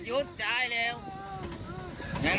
แม่มาช่วยดีกันแม่มาช่วยดีกัน